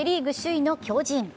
セ・リーグ首位の巨人。